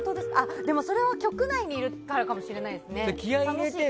でもそれは局内にいるからかもしれませんね。